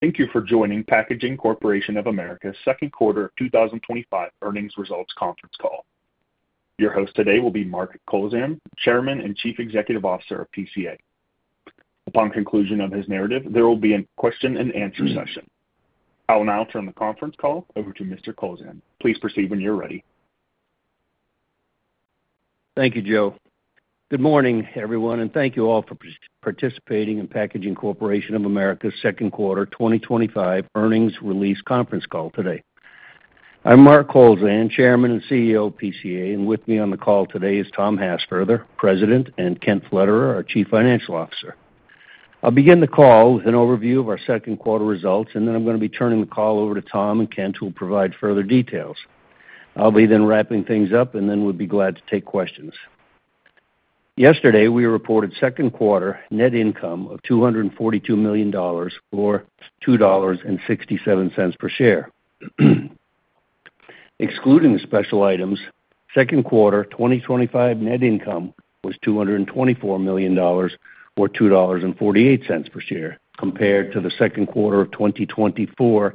Thank you for joining Packaging Corporation of America's second quarter 2025 earnings results conference call. Your host today will be Mark Kowlzan, Chairman and Chief Executive Officer of PCA. Upon conclusion of his narrative, there will be a question-and-answer session. I will now turn the conference call over to Mr. Kowlzan. Please proceed when you're ready. Thank you, Joe. Good morning, everyone, and thank you all for participating in Packaging Corporation of America's second quarter 2025 earnings release conference call today. I'm Mark Kowlzan, Chairman and CEO of PCA, and with me on the call today is Tom Hassfurther, President, and Kent Pflederer, our Chief Financial Officer. I'll begin the call with an overview of our second quarter results, and then I'm going to be turning the call over to Tom and Kent, who will provide further details. I'll be then wrapping things up, and then we'd be glad to take questions. Yesterday, we reported second quarter net income of $242 million, or $2.67 per share. Excluding the special items, second quarter 2025 net income was $224 million, or $2.48 per share, compared to the second quarter of 2024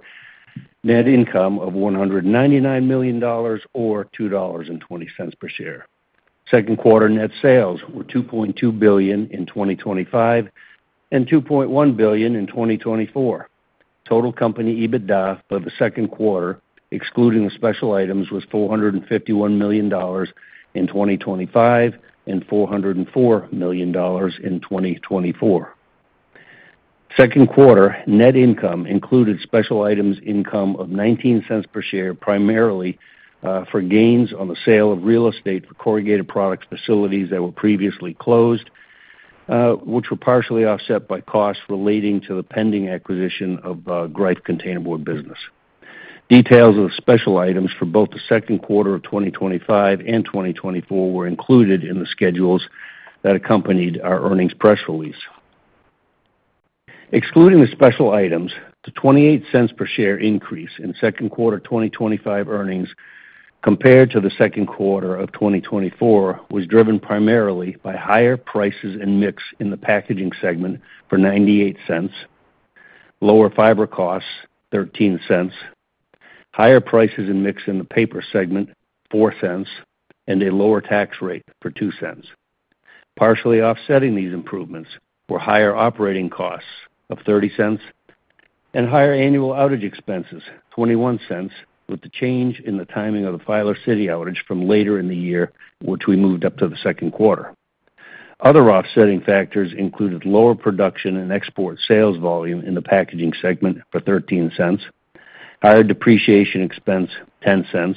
net income of $199 million, or $2.20 per share. Second quarter net sales were $2.2 billion in 2025 and $2.1 billion in 2024. Total company EBITDA for the second quarter, excluding the special items, was $451 million in 2025 and $404 million in 2024. Second quarter net income included special items income of $0.19 per share, primarily for gains on the sale of real estate for corrugated products facilities that were previously closed, which were partially offset by costs relating to the pending acquisition of Greif Containerboard business. Details of the special items for both the second quarter of 2025 and 2024 were included in the schedules that accompanied our earnings press release. Excluding the special items, the $0.28 per share increase in second quarter 2025 earnings, compared to the second quarter of 2024, was driven primarily by higher prices and mix in the packaging segment for $0.98, lower fiber costs $0.13, higher prices and mix in the paper segment $0.04, and a lower tax rate for $0.02. Partially offsetting these improvements were higher operating costs of $0.30 and higher annual outage expenses $0.21, with the change in the timing of the Filer City outage from later in the year, which we moved up to the second quarter. Other offsetting factors included lower production and export sales volume in the packaging segment for $0.13, higher depreciation expense $0.10,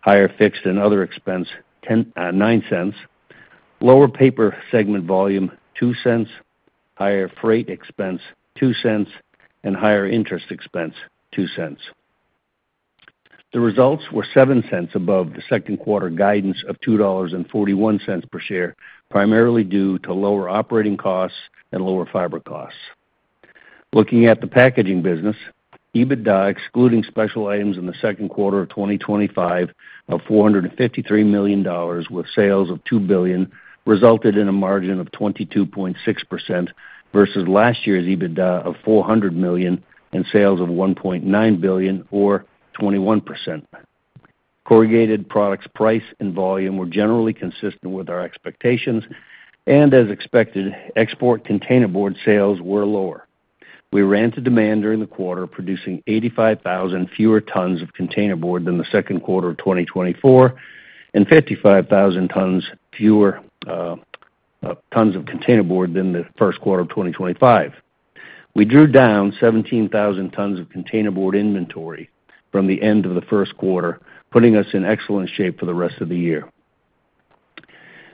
higher fixed and other expense $0.09, lower paper segment volume $0.02, higher freight expense $0.02, and higher interest expense $0.02. The results were $0.07 above the second quarter guidance of $2.41 per share, primarily due to lower operating costs and lower fiber costs. Looking at the packaging business, EBITDA, excluding special items in the second quarter of 2025, of $453 million, with sales of $2 billion, resulted in a margin of 22.6% versus last year's EBITDA of $400 million and sales of $1.9 billion, or 21%. Corrugated products' price and volume were generally consistent with our expectations, and as expected, export containerboard sales were lower. We ran to demand during the quarter, producing 85,000 fewer tons of containerboard than the second quarter of 2024 and 55,000 tons fewer. Tons of containerboard than the first quarter of 2025. We drew down 17,000 tons of containerboard inventory from the end of the first quarter, putting us in excellent shape for the rest of the year.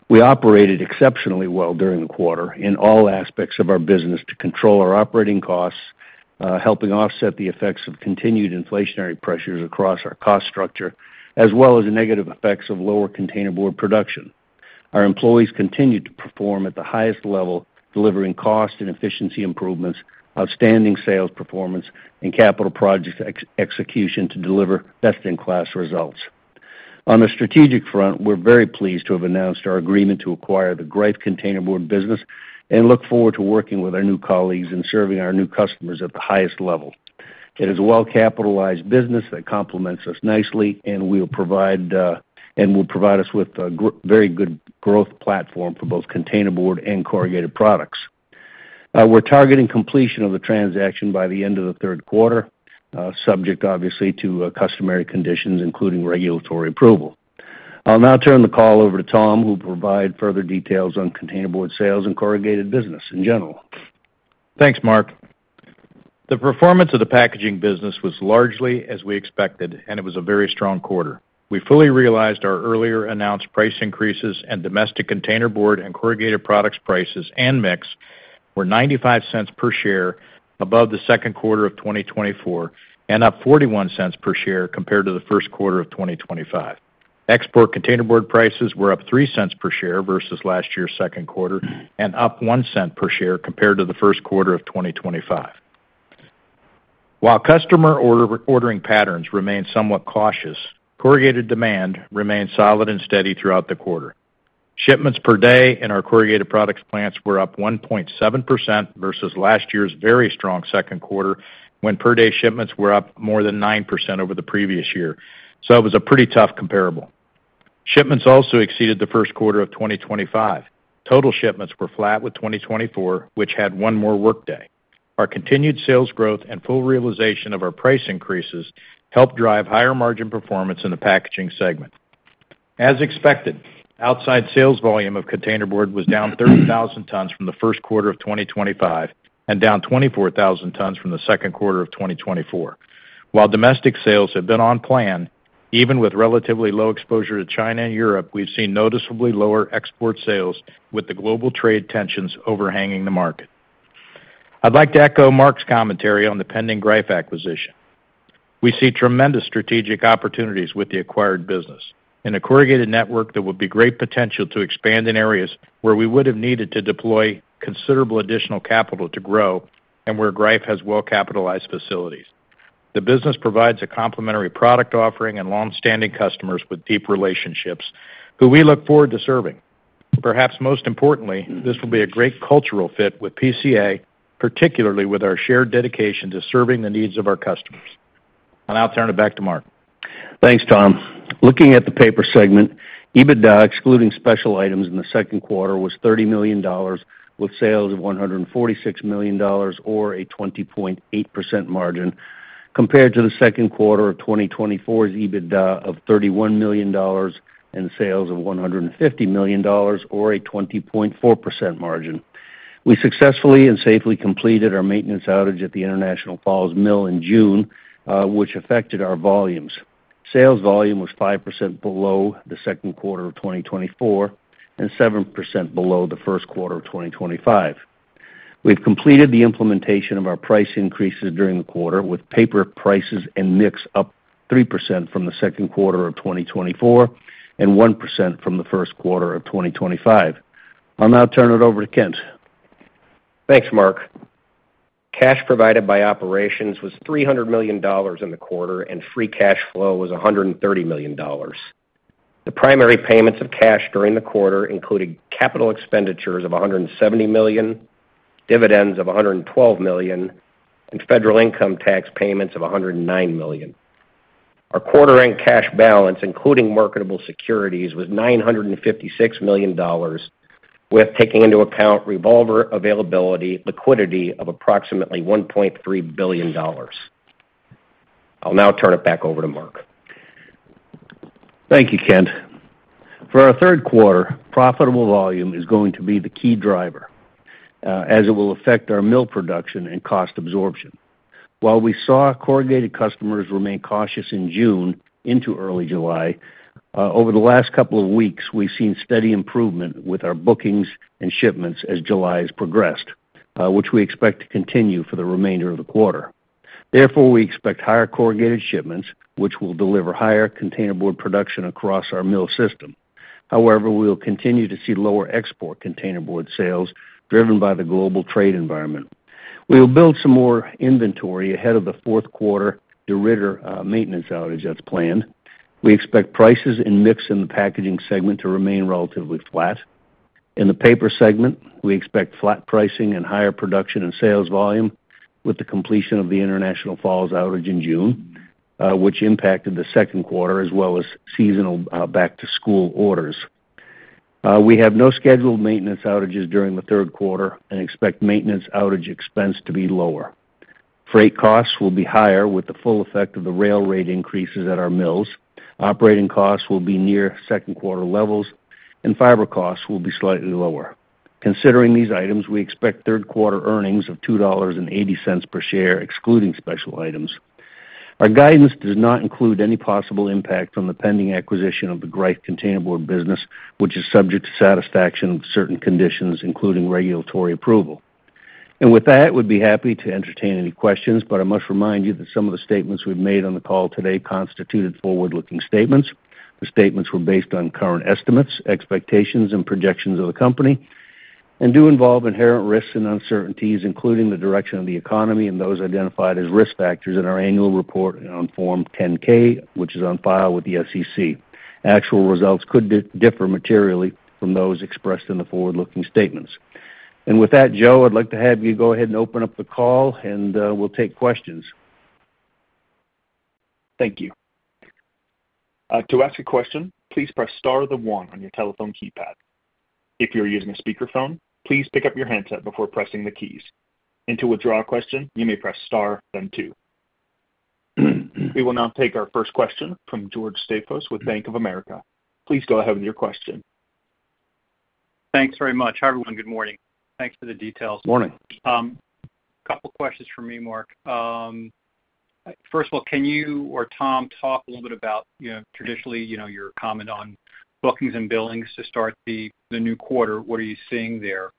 We operated exceptionally well during the quarter in all aspects of our business to control our operating costs, helping offset the effects of continued inflationary pressures across our cost structure, as well as the negative effects of lower containerboard production. Our employees continued to perform at the highest level, delivering cost and efficiency improvements, outstanding sales performance, and capital project execution to deliver best-in-class results. On the strategic front, we're very pleased to have announced our agreement to acquire the Greif Containerboard business and look forward to working with our new colleagues and serving our new customers at the highest level. It is a well-capitalized business that complements us nicely, and will provide us with a very good growth platform for both containerboard and corrugated products. We're targeting completion of the transaction by the end of the third quarter, subject, obviously, to customary conditions, including regulatory approval. I'll now turn the call over to Tom, who will provide further details on containerboard sales and corrugated business in general. Thanks, Mark. The performance of the packaging business was largely as we expected, and it was a very strong quarter. We fully realized our earlier announced price increases, and domestic containerboard and corrugated products prices and mix were $0.95 per share above the second quarter of 2024 and up $0.41 per share compared to the first quarter of 2025. Export containerboard prices were up $0.03 per share versus last year's second quarter and up $0.01 per share compared to the first quarter of 2025. While customer ordering patterns remained somewhat cautious, corrugated demand remained solid and steady throughout the quarter. Shipments per day in our corrugated products plants were up 1.7% versus last year's very strong second quarter, when per day shipments were up more than 9% over the previous year. It was a pretty tough comparable. Shipments also exceeded the first quarter of 2025. Total shipments were flat with 2024, which had one more workday. Our continued sales growth and full realization of our price increases helped drive higher margin performance in the packaging segment. As expected, outside sales volume of containerboard was down 30,000 tons from the first quarter of 2025 and down 24,000 tons from the second quarter of 2024. While domestic sales have been on plan, even with relatively low exposure to China and Europe, we have seen noticeably lower export sales, with the global trade tensions overhanging the market. I would like to echo Mark's commentary on the pending Greif acquisition. We see tremendous strategic opportunities with the acquired business in a corrugated network that would be great potential to expand in areas where we would have needed to deploy considerable additional capital to grow and where Greif has well-capitalized facilities. The business provides a complementary product offering and longstanding customers with deep relationships who we look forward to serving. Perhaps most importantly, this will be a great cultural fit with PCA, particularly with our shared dedication to serving the needs of our customers. I will turn it back to Mark. Thanks, Tom. Looking at the paper segment, EBITDA, excluding special items in the second quarter, was $30 million, with sales of $146 million, or a 20.8% margin, compared to the second quarter of 2024's EBITDA of $31 million and sales of $150 million, or a 20.4% margin. We successfully and safely completed our maintenance outage at the International Falls Mill in June, which affected our volumes. Sales volume was 5% below the second quarter of 2024 and 7% below the first quarter of 2025. We've completed the implementation of our price increases during the quarter, with paper prices and mix up 3% from the second quarter of 2024 and 1% from the first quarter of 2025. I'll now turn it over to Kent. Thanks, Mark. Cash provided by operations was $300 million in the quarter, and free cash flow was $130 million. The primary payments of cash during the quarter included capital expenditures of $170 million, dividends of $112 million, and federal income tax payments of $109 million. Our quarter-end cash balance, including marketable securities, was $956 million. With taking into account revolver availability, liquidity of approximately $1.3 billion. I'll now turn it back over to Mark. Thank you, Kent. For our third quarter, profitable volume is going to be the key driver. As it will affect our mill production and cost absorption. While we saw corrugated customers remain cautious in June into early July, over the last couple of weeks, we've seen steady improvement with our bookings and shipments as July has progressed, which we expect to continue for the remainder of the quarter. Therefore, we expect higher corrugated shipments, which will deliver higher containerboard production across our mill system. However, we will continue to see lower export containerboard sales driven by the global trade environment. We will build some more inventory ahead of the fourth quarter Deridder maintenance outage that's planned. We expect prices and mix in the packaging segment to remain relatively flat. In the paper segment, we expect flat pricing and higher production and sales volume with the completion of the International Falls outage in June, which impacted the second quarter as well as seasonal back-to-school orders. We have no scheduled maintenance outages during the third quarter and expect maintenance outage expense to be lower. Freight costs will be higher with the full effect of the rail rate increases at our mills. Operating costs will be near second quarter levels, and fiber costs will be slightly lower. Considering these items, we expect third quarter earnings of $2.80 per share, excluding special items. Our guidance does not include any possible impact on the pending acquisition of the Greif Containerboard business, which is subject to satisfaction of certain conditions, including regulatory approval. With that, we'd be happy to entertain any questions, but I must remind you that some of the statements we've made on the call today constituted forward-looking statements. The statements were based on current estimates, expectations, and projections of the company. They do involve inherent risks and uncertainties, including the direction of the economy and those identified as risk factors in our annual report on Form 10-K, which is on file with the SEC. Actual results could differ materially from those expressed in the forward-looking statements. With that, Joe, I'd like to have you go ahead and open up the call, and we'll take questions. Thank you. To ask a question, please press star or one on your telephone keypad. If you're using a speakerphone, please pick up your handset before pressing the keys. To withdraw a question, you may press star, then two. We will now take our first question from George Staphos with Bank of America. Please go ahead with your question. Thanks very much. Hi, everyone. Good morning. Thanks for the details. Morning. A couple of questions for me, Mark. First of all, can you or Tom talk a little bit about, traditionally, your comment on bookings and billings to start the new quarter? What are you seeing there?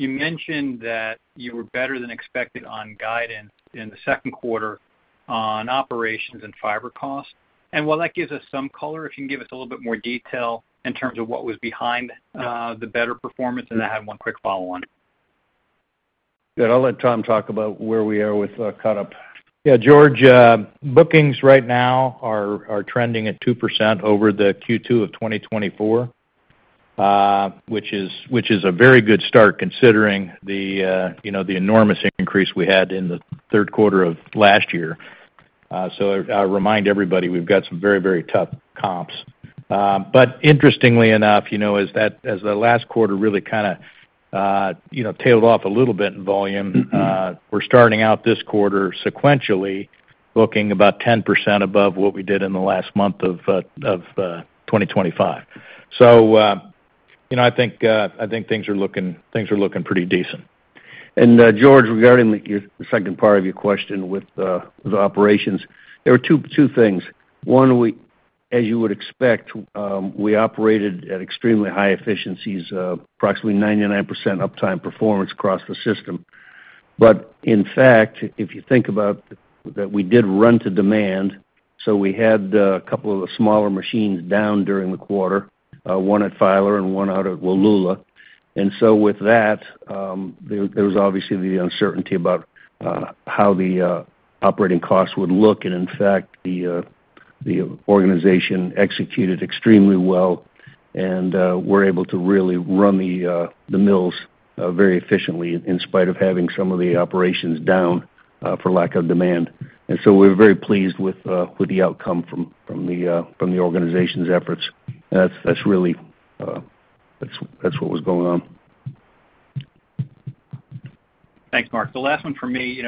You mentioned that you were better than expected on guidance in the second quarter on operations and fiber costs. While that gives us some color, if you can give us a little bit more detail in terms of what was behind the better performance, and I have one quick follow-on. Yeah, I'll let Tom talk about where we are with the cut-up. Yeah, George, bookings right now are trending at 2% over the Q2 of 2024. Which is a very good start considering the enormous increase we had in the third quarter of last year. I remind everybody we've got some very, very tough comps. Interestingly enough, as the last quarter really kind of tailed off a little bit in volume, we're starting out this quarter sequentially looking about 10% above what we did in the last month of 2025. I think things are looking pretty decent. George, regarding the second part of your question with the operations, there were two things. One, as you would expect, we operated at extremely high efficiencies, approximately 99% uptime performance across the system. In fact, if you think about that, we did run to demand, so we had a couple of the smaller machines down during the quarter, one at Filer and one out at Willula. With that, there was obviously the uncertainty about how the operating costs would look. In fact, the organization executed extremely well and were able to really run the mills very efficiently in spite of having some of the operations down for lack of demand. We're very pleased with the outcome from the organization's efforts. That's really what was going on. Thanks, Mark. The last one for me.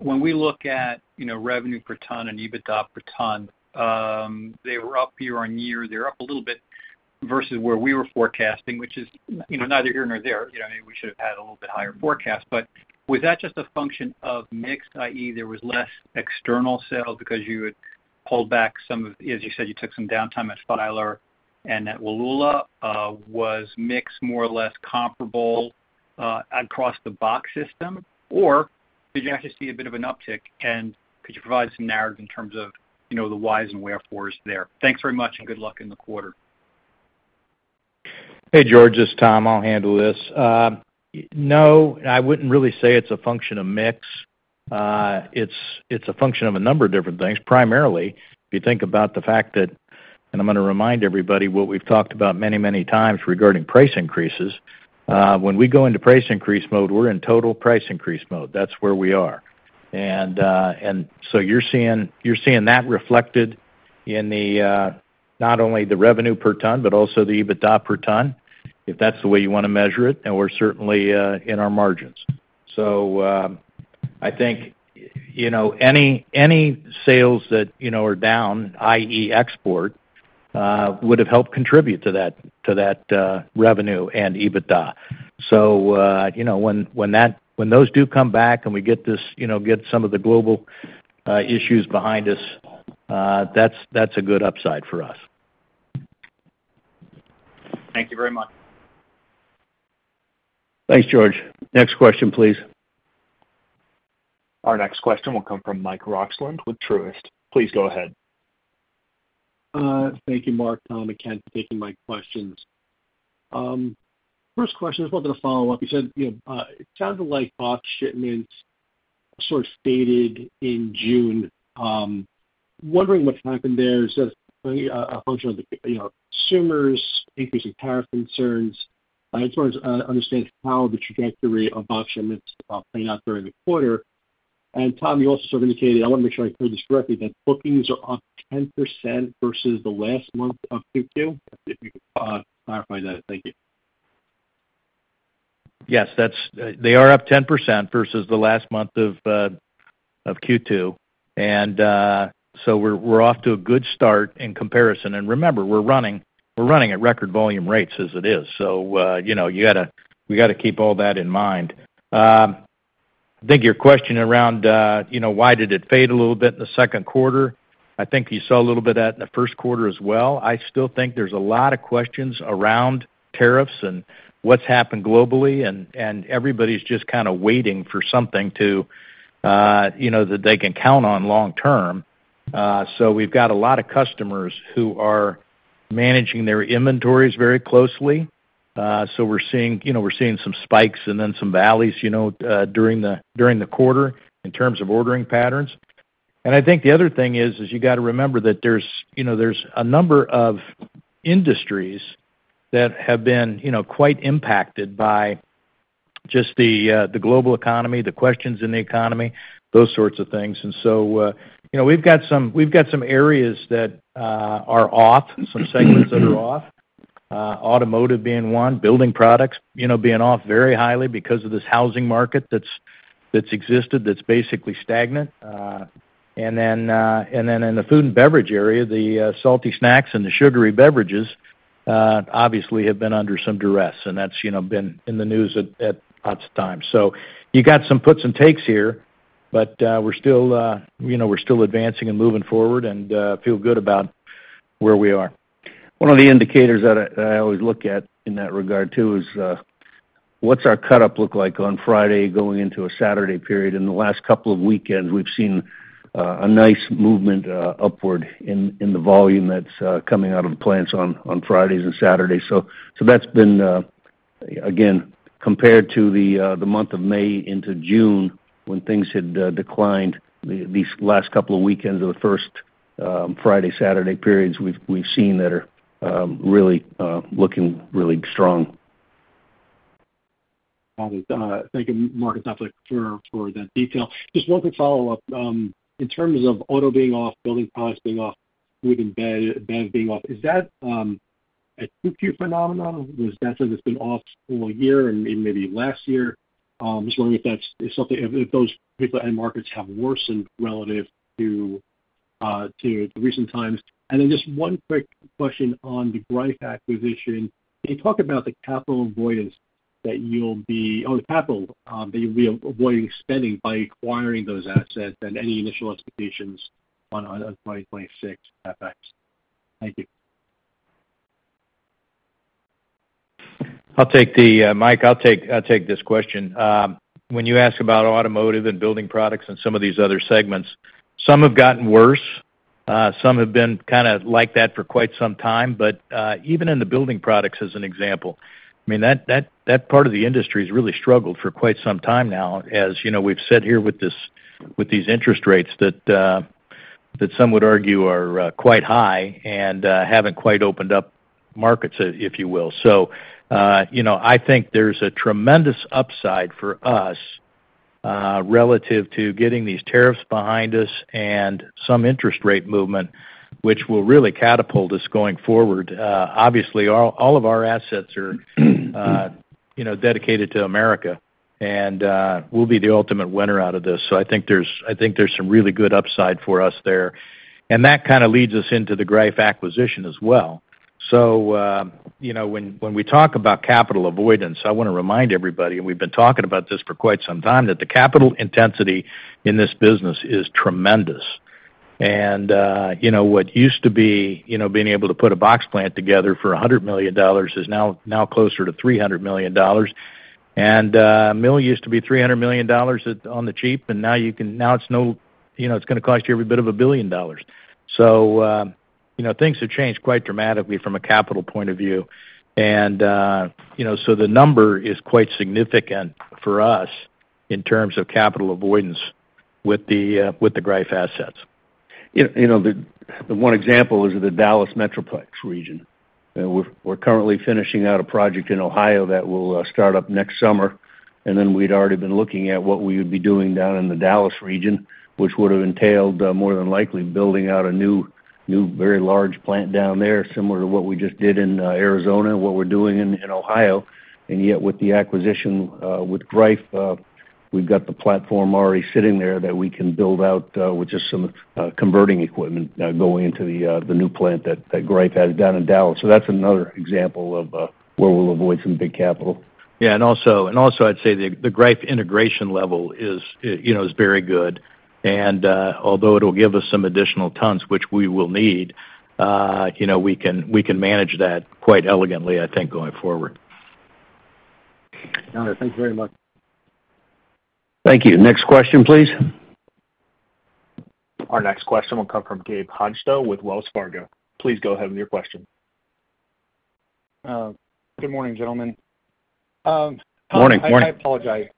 When we look at revenue per ton and EBITDA per ton. They were up year-on-year. They're up a little bit versus where we were forecasting, which is neither here nor there. We should have had a little bit higher forecast. Was that just a function of mix, i.e., there was less external sales because you had pulled back some of, as you said, you took some downtime at Filer and at Willula? Was mix more or less comparable across the box system? Or did you actually see a bit of an uptick? Could you provide some narrative in terms of the whys and wherefores there? Thanks very much and good luck in the quarter. Hey, George, this is Tom. I'll handle this. No, I wouldn't really say it's a function of mix. It's a function of a number of different things. Primarily, if you think about the fact that, and I'm going to remind everybody what we've talked about many, many times regarding price increases, when we go into price increase mode, we're in total price increase mode. That's where we are. You are seeing that reflected in not only the revenue per ton, but also the EBITDA per ton, if that's the way you want to measure it. We are certainly in our margins. I think any sales that are down, i.e., export, would have helped contribute to that revenue and EBITDA. When those do come back and we get some of the global issues behind us, that's a good upside for us. Thank you very much. Thanks, George. Next question, please. Our next question will come from Michael Roxland with Truist. Please go ahead. Thank you, Mark, Tom, and Kent for taking my questions. First question is a follow-up. You said it sounded like box shipments sort of faded in June. Wondering what's happened there. Is that a function of consumers, increasing tariff concerns? I just want to understand how the trajectory of box shipments played out during the quarter. Tom, you also sort of indicated, I want to make sure I heard this correctly, that bookings are up 10% versus the last month of Q2? If you could clarify that, thank you. Yes, they are up 10% versus the last month of Q2. We are off to a good start in comparison. Remember, we are running at record volume rates as it is. We have to keep all that in mind. I think your question around why did it fade a little bit in the second quarter, I think you saw a little bit of that in the first quarter as well. I still think there are a lot of questions around tariffs and what has happened globally. Everybody is just kind of waiting for something that they can count on long term. We have a lot of customers who are managing their inventories very closely. We are seeing some spikes and then some valleys during the quarter in terms of ordering patterns. I think the other thing is you have to remember that there are a number of industries that have been quite impacted by just the global economy, the questions in the economy, those sorts of things. We have some areas that are off, some segments that are off. Automotive being one, building products being off very highly because of this housing market that has existed that is basically stagnant. In the food and beverage area, the salty snacks and the sugary beverages obviously have been under some duress. That has been in the news at times. You have some puts and takes here, but we are still advancing and moving forward and feel good about where we are. One of the indicators that I always look at in that regard too is what does our cut-up look like on Friday going into a Saturday period? In the last couple of weekends, we have seen a nice movement upward in the volume that is coming out of the plants on Fridays and Saturdays. That has been, again, compared to the month of May into June when things had declined, these last couple of weekends of the first Friday-Saturday periods we have seen that are really looking really strong. Got it. Thank you, Mark, for that detail. Just one quick follow-up. In terms of auto being off, building products being off, food and beds being off, is that a Q2 phenomenon? Was that something that's been off all year and maybe last year? Just wondering if those particular end markets have worsened relative to recent times. And then just one quick question on the Greif acquisition. Can you talk about the capital avoidance that you'll be—or the capital that you'll be avoiding spending by acquiring those assets and any initial expectations on 2026 effects? Thank you. I'll take the mic. I'll take this question. When you ask about automotive and building products and some of these other segments, some have gotten worse. Some have been kind of like that for quite some time. Even in the building products, as an example, I mean, that part of the industry has really struggled for quite some time now, as we've said here with these interest rates that some would argue are quite high and haven't quite opened up markets, if you will. I think there's a tremendous upside for us relative to getting these tariffs behind us and some interest rate movement, which will really catapult us going forward. Obviously, all of our assets are dedicated to America, and we'll be the ultimate winner out of this. I think there's some really good upside for us there. That kind of leads us into the Greif acquisition as well. When we talk about capital avoidance, I want to remind everybody, and we've been talking about this for quite some time, that the capital intensity in this business is tremendous. What used to be being able to put a box plant together for $100 million is now closer to $300 million. A mill used to be $300 million on the cheap, and now it's going to cost you every bit of a billion dollars. Things have changed quite dramatically from a capital point of view. The number is quite significant for us in terms of capital avoidance with the Greif assets. The one example is the Dallas Metroplex region. We're currently finishing out a project in Ohio that will start up next summer. We'd already been looking at what we would be doing down in the Dallas region, which would have entailed more than likely building out a new, very large plant down there, similar to what we just did in Arizona, what we're doing in Ohio. Yet with the acquisition with Greif, we've got the platform already sitting there that we can build out with just some converting equipment going into the new plant that Greif has down in Dallas. That's another example of where we'll avoid some big capital. Yeah, and also I'd say the Greif integration level is very good. Although it'll give us some additional tons, which we will need, we can manage that quite elegantly, I think, going forward. Thank you very much. Thank you. Next question, please. Our next question will come from Gabe Hajde with Wells Fargo. Please go ahead with your question. Good morning, gentlemen. Morning. I apologize.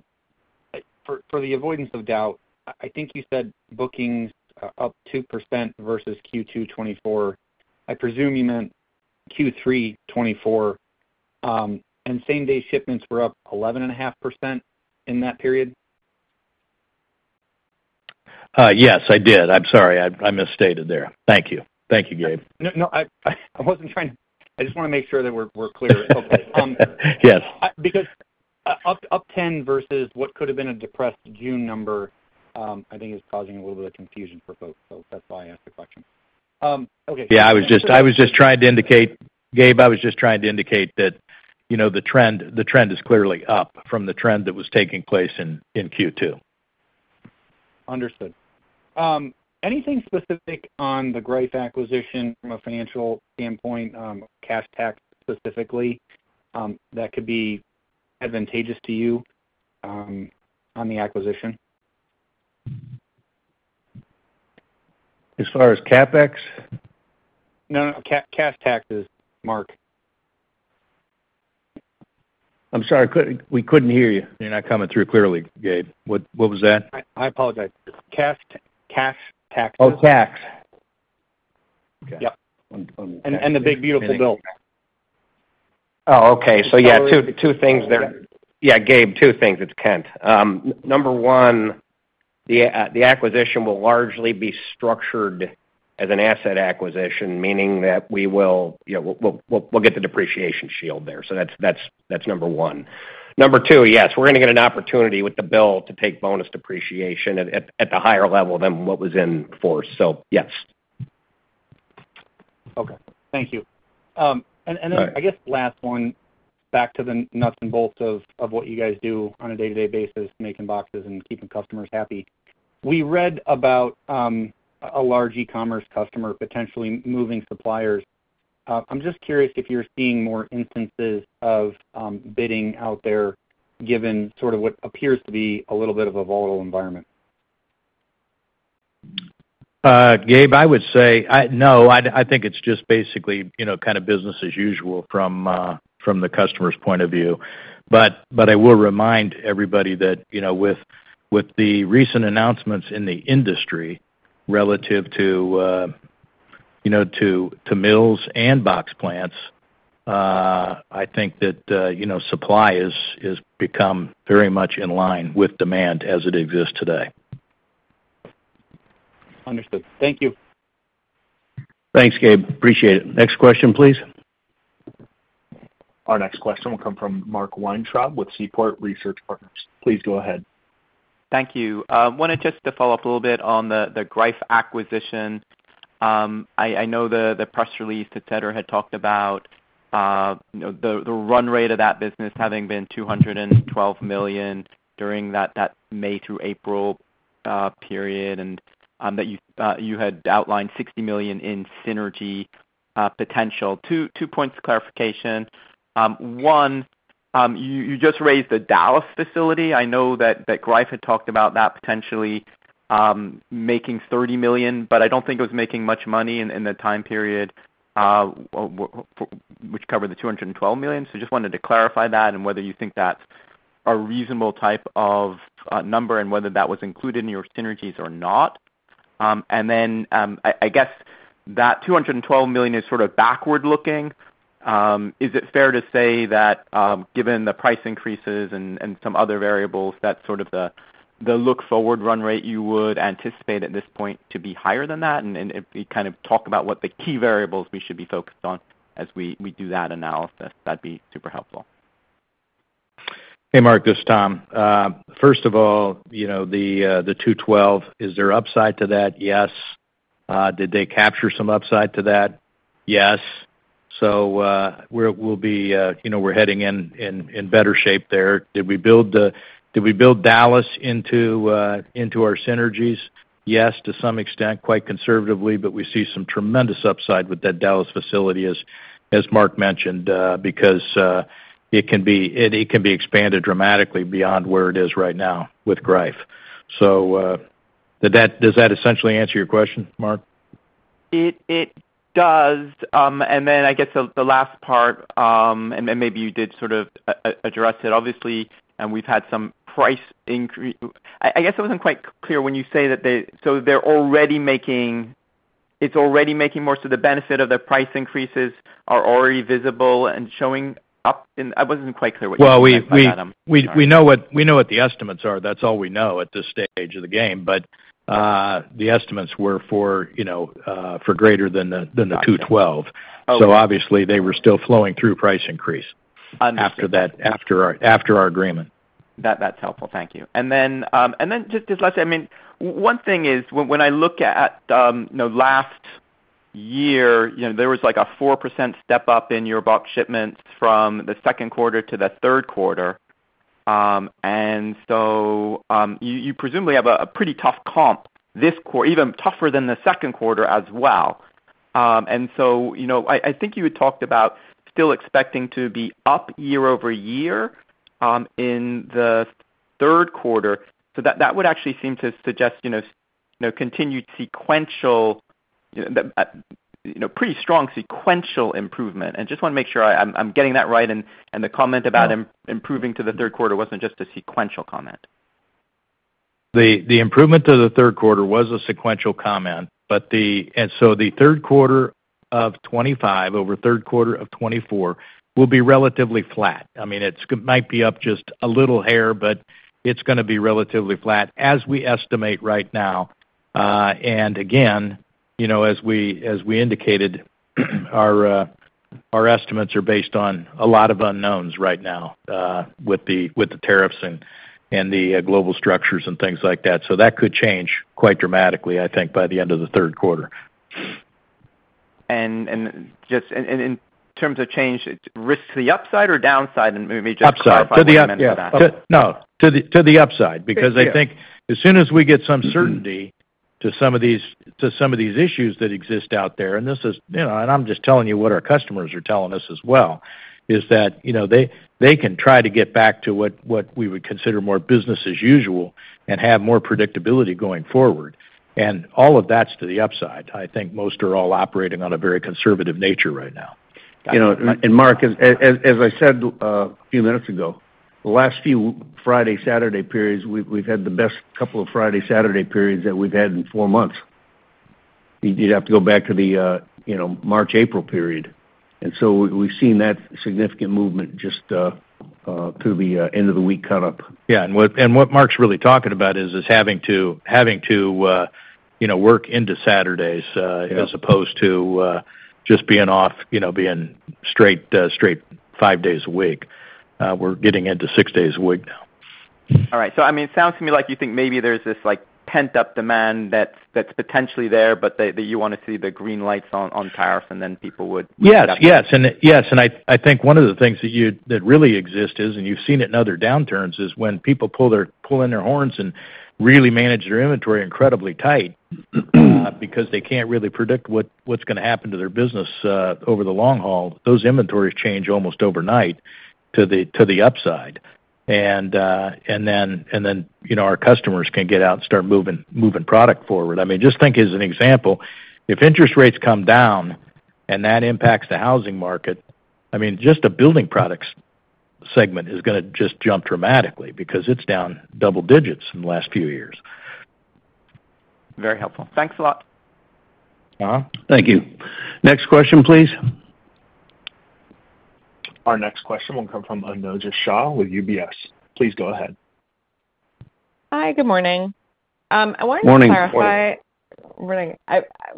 For the avoidance of doubt, I think you said bookings up 2% versus Q2 2024. I presume you meant Q3 2024. And same-day shipments were up 11.5% in that period? Yes, I did. I'm sorry. I misstated there. Thank you. Thank you, Gabe. No, I wasn't trying to—I just want to make sure that we're clear. Yes. Because up 10 versus what could have been a depressed June number, I think, is causing a little bit of confusion for folks. That is why I asked the question. Okay. Yeah, I was just trying to indicate, Gabe, I was just trying to indicate that the trend is clearly up from the trend that was taking place in Q2. Understood. Anything specific on the Greif acquisition from a financial standpoint, cash tax specifically, that could be advantageous to you? On the acquisition? As far as CapEx? No, no. Cash taxes, Mark. I'm sorry, we couldn't hear you. You're not coming through clearly, Gabe. What was that? I apologize. Cash taxes. Oh, tax. Yeah. The big beautiful bill. Oh, okay. Yeah, two things there. Yeah, Gabe, two things. It's Kent. Number one, the acquisition will largely be structured as an asset acquisition, meaning that we will get the depreciation shield there. That's number one. Number two, yes, we're going to get an opportunity with the bill to take bonus depreciation at the higher level than what was in before. Yes. Okay. Thank you. I guess last one, back to the nuts and bolts of what you guys do on a day-to-day basis, making boxes and keeping customers happy. We read about a large e-commerce customer potentially moving suppliers. I'm just curious if you're seeing more instances of bidding out there given sort of what appears to be a little bit of a volatile environment. Gabe, I would say no. I think it's just basically kind of business as usual from the customer's point of view. I will remind everybody that with the recent announcements in the industry relative to mills and box plants, I think that supply has become very much in line with demand as it exists today. Understood. Thank you. Thanks, Gabe. Appreciate it. Next question, please. Our next question will come from Mark Weintraub with Seaport Research Partners. Please go ahead. Thank you. I wanted just to follow up a little bit on the Greif acquisition. I know the press release, etc., had talked about the run rate of that business having been $212 million during that May through April period and that you had outlined $60 million in synergy potential. Two points of clarification. One, you just raised the Dallas facility. I know that Greif had talked about that potentially making $30 million, but I don't think it was making much money in the time period which covered the $212 million. Just wanted to clarify that and whether you think that's a reasonable type of number and whether that was included in your synergies or not. I guess that $212 million is sort of backward-looking. Is it fair to say that given the price increases and some other variables, that sort of the look-forward run rate you would anticipate at this point to be higher than that? If we kind of talk about what the key variables we should be focused on as we do that analysis, that'd be super helpful. Hey, Mark. This is Tom. First of all, the 212, is there upside to that? Yes. Did they capture some upside to that? Yes. We are heading in better shape there. Did we build Dallas into our synergies? Yes, to some extent, quite conservatively, but we see some tremendous upside with that Dallas facility, as Mark mentioned, because it can be expanded dramatically beyond where it is right now with Greif. Does that essentially answer your question, Mark? It does. I guess the last part, and maybe you did sort of address it. Obviously, we've had some price increase. I guess I wasn't quite clear when you say that they, so they're already making, it's already making more, so the benefit of the price increases are already visible and showing up. I wasn't quite clear what you mean by that. We know what the estimates are. That's all we know at this stage of the game. The estimates were for greater than the 212. Obviously, they were still flowing through price increase after our agreement. That's helpful. Thank you. Then just lastly, I mean, one thing is when I look at last year, there was like a 4% step-up in your box shipments from the second quarter to the third quarter. You presumably have a pretty tough comp, even tougher than the second quarter as well. I think you had talked about still expecting to be up year-over-year in the third quarter. That would actually seem to suggest continued sequential, pretty strong sequential improvement. I just want to make sure I'm getting that right and the comment about improving to the third quarter wasn't just a sequential comment. The improvement to the third quarter was a sequential comment. The third quarter of 2025 over third quarter of 2024 will be relatively flat. I mean, it might be up just a little hair, but it is going to be relatively flat as we estimate right now. Again, as we indicated, our estimates are based on a lot of unknowns right now with the tariffs and the global structures and things like that. That could change quite dramatically, I think, by the end of the third quarter. In terms of change, risk to the upside or downside? Maybe just clarify for the audience. To the upside because I think as soon as we get some certainty to some of these issues that exist out there, and this is, and I'm just telling you what our customers are telling us as well, is that they can try to get back to what we would consider more business as usual and have more predictability going forward. All of that's to the upside. I think most are all operating on a very conservative nature right now. Mark, as I said a few minutes ago, the last few Friday, Saturday periods, we've had the best couple of Friday, Saturday periods that we've had in four months. You'd have to go back to the March, April period. We've seen that significant movement just through the end of the week cut up. Yeah. What Mark's really talking about is having to work into Saturdays as opposed to just being off, being straight five days a week. We're getting into six days a week now. All right. I mean, it sounds to me like you think maybe there's this pent-up demand that's potentially there, but that you want to see the green lights on tariffs and then people would. Yes. Yes. I think one of the things that really exists is, and you have seen it in other downturns, is when people pull in their horns and really manage their inventory incredibly tight. Because they cannot really predict what is going to happen to their business over the long haul, those inventories change almost overnight to the upside. Our customers can get out and start moving product forward. I mean, just think as an example, if interest rates come down, and that impacts the housing market, I mean, just the building products segment is going to just jump dramatically because it is down double digits in the last few years. Very helpful. Thanks a lot. Thank you. Next question, please. Our next question will come from Anojja Shah with UBS. Please go ahead. Hi. Good morning. I wanted to clarify. Morning.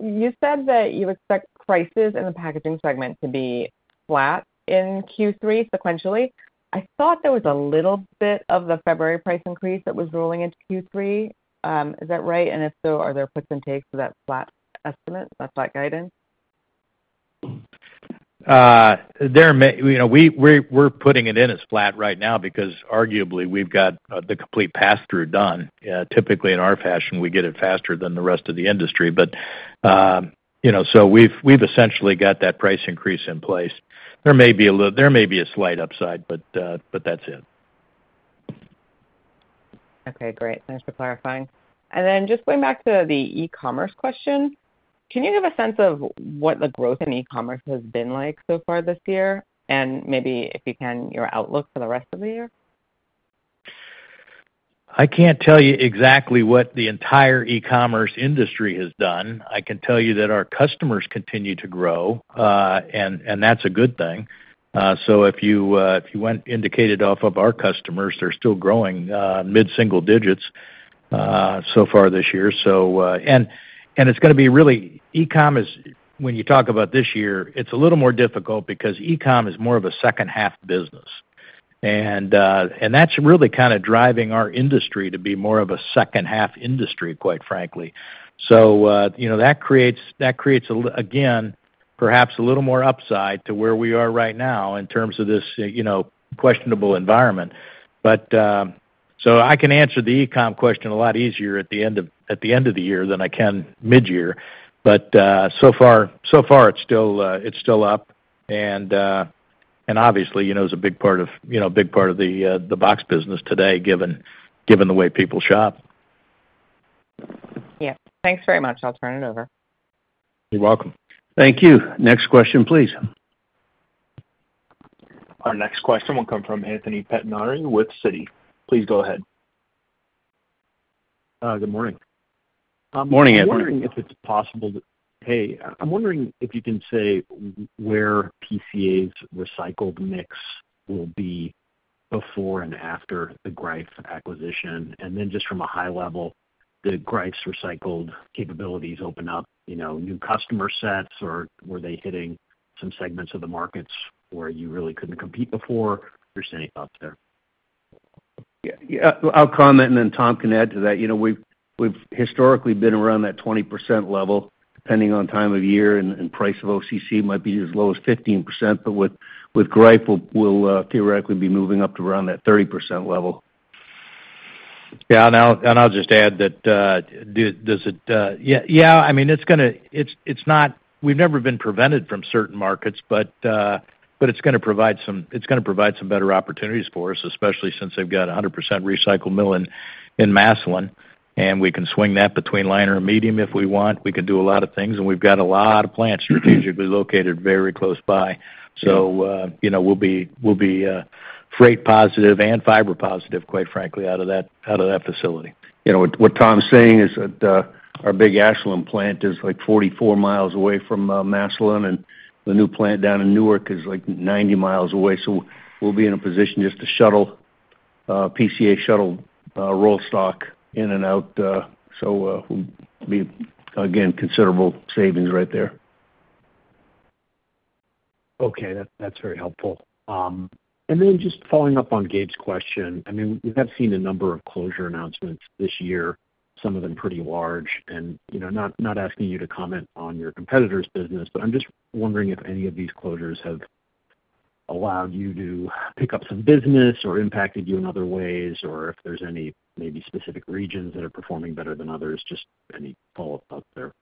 You said that you expect prices in the packaging segment to be flat in Q3 sequentially. I thought there was a little bit of the February price increase that was rolling into Q3. Is that right? If so, are there puts and takes to that flat estimate, that flat guidance? We're putting it in as flat right now because arguably we've got the complete pass-through done. Typically, in our fashion, we get it faster than the rest of the industry. So we've essentially got that price increase in place. There may be a slight upside, but that's it. Okay. Great. Thanks for clarifying. Just going back to the e-commerce question, can you give a sense of what the growth in e-commerce has been like so far this year? Maybe if you can, your outlook for the rest of the year? I can't tell you exactly what the entire e-commerce industry has done. I can tell you that our customers continue to grow. That's a good thing. If you went indicated off of our customers, they're still growing mid-single digits so far this year. It's going to be really e-commerce when you talk about this year. It's a little more difficult because e-commerce is more of a second-half business. That is really kind of driving our industry to be more of a second-half industry, quite frankly. That creates, again, perhaps a little more upside to where we are right now in terms of this questionable environment. I can answer the e-com question a lot easier at the end of the year than I can mid-year. So far, it's still up. Obviously, it's a big part of the box business today given the way people shop. Yeah. Thanks very much. I'll turn it over. You're welcome. Thank you. Next question, please. Our next question will come from Anthony Pettinari with Citi. Please go ahead. Good morning. Good morning, Anthony. I'm wondering if it's possible to, hey, I'm wondering if you can say. Where PCA's recycled mix will be before and after the Greif acquisition. And then just from a high level, did Greif's recycled capabilities open up new customer sets, or were they hitting some segments of the markets where you really couldn't compete before? Just any thoughts there? I'll comment, and then Tom can add to that. We've historically been around that 20% level, depending on time of year and price of OCC, might be as low as 15%. With Greif, we'll theoretically be moving up to around that 30% level. Yeah. I'll just add that. Does it—yeah, I mean, it's going to—we've never been prevented from certain markets, but it's going to provide some—it's going to provide some better opportunities for us, especially since they've got a 100% recycled mill in Massillon. We can swing that between liner and medium if we want. We can do a lot of things. We've got a lot of plants strategically located very close by. We will be freight positive and fiber positive, quite frankly, out of that facility. What Tom's saying is that our big Ashland plant is like 44 mi away from Massillon, and the new plant down in Newark is like 90 mi away. We will be in a position just to shuttle. PCA shuttle roll stock in and out. We will be, again, considerable savings right there. Okay. That's very helpful. Just following up on Gabe's question, I mean, we have seen a number of closure announcements this year, some of them pretty large. I'm not asking you to comment on your competitor's business, but I'm just wondering if any of these closures have allowed you to pick up some business or impacted you in other ways, or if there's any maybe specific regions that are performing better than others, just any follow-up out there.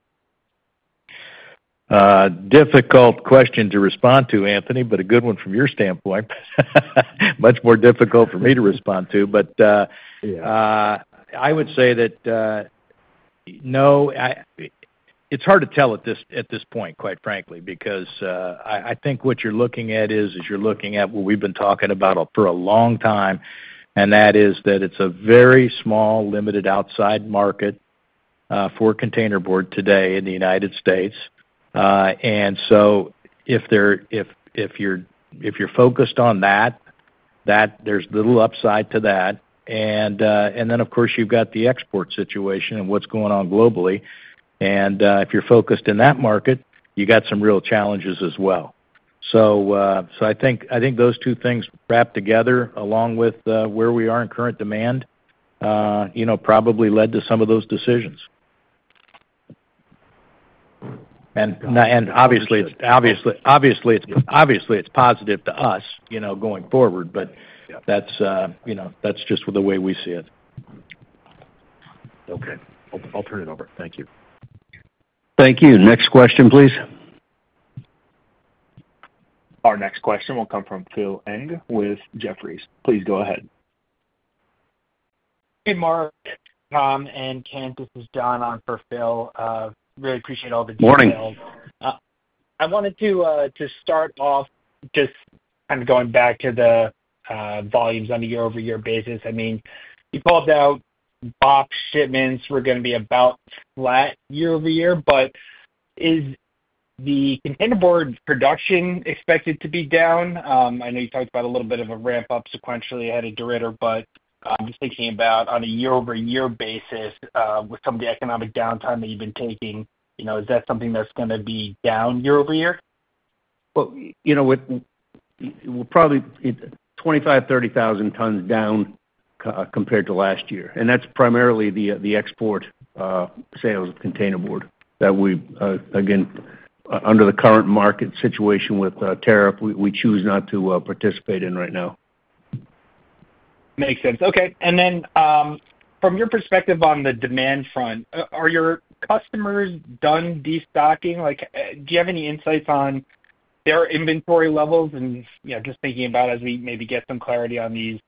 Difficult question to respond to, Anthony, but a good one from your standpoint. Much more difficult for me to respond to. I would say that no, it's hard to tell at this point, quite frankly, because I think what you're looking at is you're looking at what we've been talking about for a long time, and that is that it's a very small, limited outside market for containerboard today in the U.S. If you're focused on that, there's little upside to that. Of course, you've got the export situation and what's going on globally. If you're focused in that market, you got some real challenges as well. I think those two things wrapped together, along with where we are in current demand, probably led to some of those decisions. Obviously, it's positive to us going forward, but that's just the way we see it. Okay. I'll turn it over. Thank you. Thank you. Next question, please. Our next question will come from Phil Ng with Jefferies. Please go ahead. Hey, Marc, Tom, and Kent, this is Don on for Phil. Really appreciate all the details. Morning. I wanted to start off just kind of going back to the volumes on a year-over-year basis. I mean, you called out box shipments were going to be about flat year-over-year, but is the containerboard production expected to be down? I know you talked about a little bit of a ramp-up sequentially ahead of Deridder, but I'm just thinking about on a year-over-year basis, with some of the economic downtime that you've been taking, is that something that's going to be down year-over-year? We're probably 25,000-30,000 tons down compared to last year. And that's primarily the export sales of containerboard that we, again, under the current market situation with tariff, we choose not to participate in right now. Makes sense. Okay. From your perspective on the demand front, are your customers done destocking? Do you have any insights on their inventory levels? Just thinking about as we maybe get some clarity on these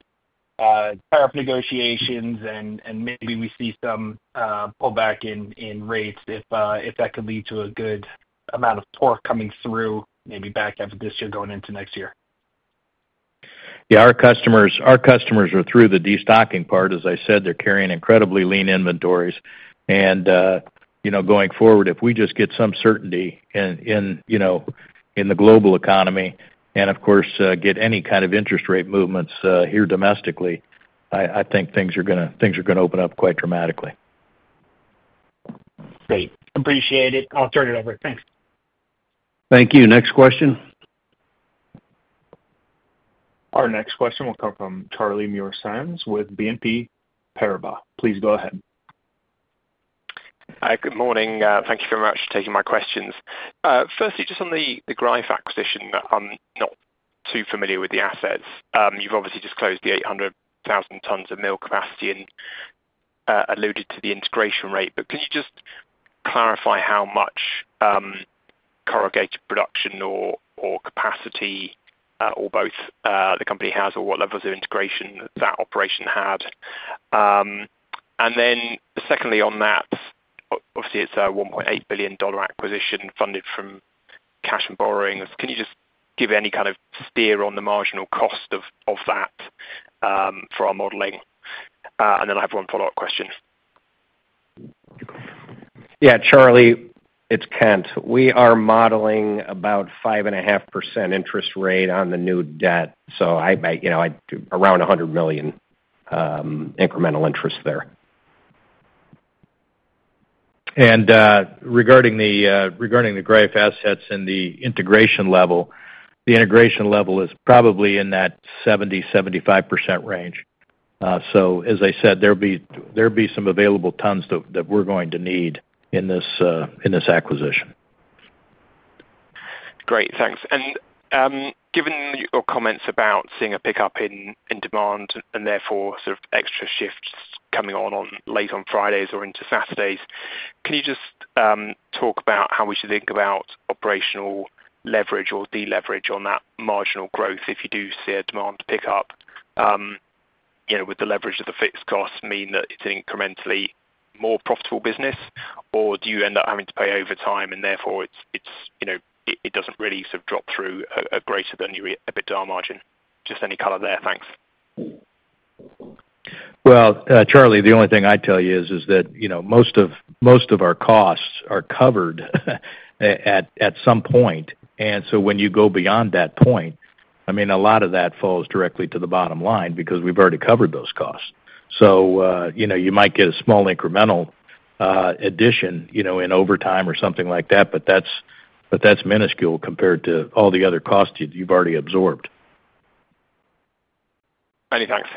tariff negotiations and maybe we see some pullback in rates, if that could lead to a good amount of port coming through, maybe back after this year going into next year? Yeah. Our customers are through the destocking part. As I said, they're carrying incredibly lean inventories. Going forward, if we just get some certainty in the global economy and, of course, get any kind of interest rate movements here domestically, I think things are going to open up quite dramatically. Great. Appreciate it. I'll turn it over. Thanks. Thank you. Next question. Our next question will come from Charlie Muir Sands with BNP Paribas. Please go ahead. Hi. Good morning. Thank you very much for taking my questions. Firstly, just on the Greif acquisition, I'm not too familiar with the assets. You've obviously just closed the 800,000 tons of mill capacity and alluded to the integration rate. Can you just clarify how much corrugated production or capacity or both the company has or what levels of integration that operation had? Secondly on that, obviously, it's a $1.8 billion acquisition funded from cash and borrowing. Can you just give any kind of steer on the marginal cost of that for our modeling? I have one follow-up question. Yeah. Charlie, it's Kent. We are modeling about 5.5% interest rate on the new debt. So I'd bet around $100 million incremental interest there. Regarding the Greif assets and the integration level, the integration level is probably in that 70-75% range. As I said, there'll be some available tons that we're going to need in this acquisition. Great. Thanks. And given your comments about seeing a pickup in demand and therefore sort of extra shifts coming on late on Fridays or into Saturdays, can you just talk about how we should think about operational leverage or deleverage on that marginal growth if you do see a demand pickup? Would the leverage of the fixed costs mean that it's an incrementally more profitable business, or do you end up having to pay overtime and therefore it doesn't really sort of drop through a greater than EBITDA margin? Just any color there. Thanks. Charlie, the only thing I'd tell you is that most of our costs are covered at some point. I mean, when you go beyond that point, a lot of that falls directly to the bottom line because we've already covered those costs. You might get a small incremental addition in overtime or something like that, but that's minuscule compared to all the other costs you've already absorbed. Many thanks.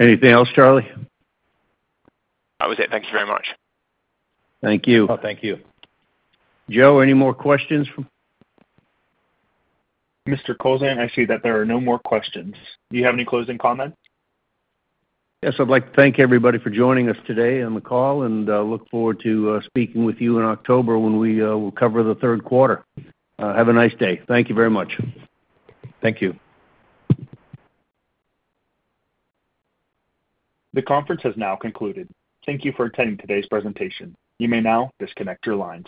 Anything else, Charlie? That was it. Thank you very much. Thank you. Oh, thank you. Joe, any more questions? Mr. Kowlzan, I see that there are no more questions. Do you have any closing comments? Yes. I'd like to thank everybody for joining us today on the call and look forward to speaking with you in October when we will cover the third quarter. Have a nice day. Thank you very much. Thank you. The conference has now concluded. Thank you for attending today's presentation. You may now disconnect your lines.